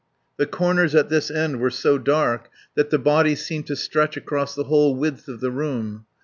The corners at this end were so dark that the body seemed to stretch across the whole width of the room.